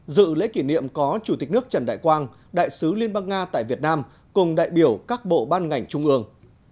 dự lễ kỷ niệm có chủ tịch nước trần đại quang đại sứ liên bang nga tại việt nam cùng đại biểu các bộ ban ngành trung ương